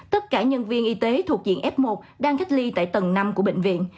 tất cả nhân viên y tế thuộc diện f một đang cách ly tại tầng năm của bệnh viện